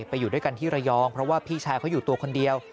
ไปอยู่ด้วยกันที่ระยองเพราะว่าพี่ชายเขาอยู่ตัวคนเดียว